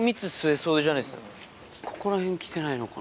ここら辺来てないのかな。